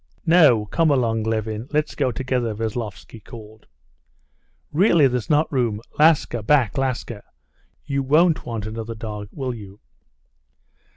"No! Come along, Levin, let's go together!" Veslovsky called. "Really, there's not room. Laska, back, Laska! You won't want another dog, will you?"